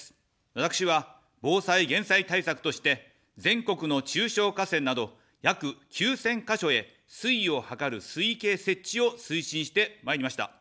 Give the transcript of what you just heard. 私は防災減災対策として、全国の中小河川など、約９０００か所へ水位を測る水位計設置を推進してまいりました。